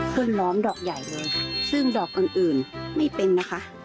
ขึ้นรอบดอกใหญ่เลยซึ่งดอกอื่นไม่เป็นนะคะ